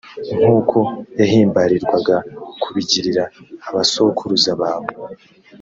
nk’uko yahimbarirwaga kubigirira abasokuruza bawe;